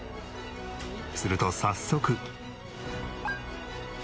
すると早速。